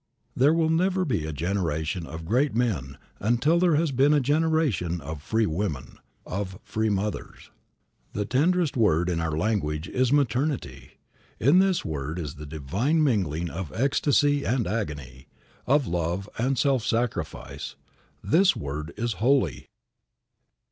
There will never be a generation of great men until there has been a generation of free women of free mothers. The tenderest word in our language is maternity. In this word is the divine mingling of ecstasy and agony of love and self sacrifice. This word is holy!